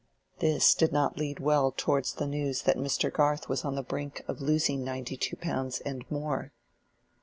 This did not lead well towards the news that Mr. Garth was on the brink of losing ninety two pounds and more.